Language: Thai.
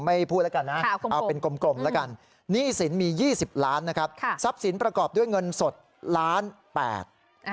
หนี้สินมี๒๐ล้านนะครับทรัพย์สินประกอบด้วยเงินสด๑๘๐๐๐๐๐บาท